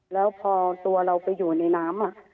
แล้วพอตัวเราไปอยู่ในน้ำ